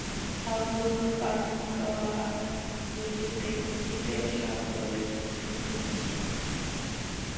অদ্ভুত পান্তুয়া দুইটি দেখিতে সকলে ছুটিলেন।